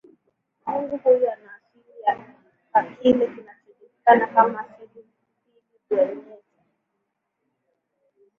Mungu huyu ana asili ya kile kinachojulikana kama asili mbili duel nature